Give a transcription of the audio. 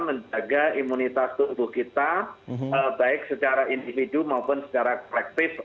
menjaga imunitas tubuh kita baik secara individu maupun secara kolektif